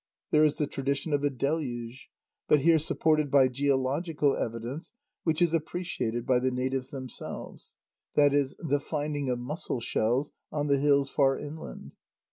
There is the tradition of a deluge, but here supported by geological evidence which is appreciated by the natives themselves: i.e. the finding of mussel shells on the hills far inland.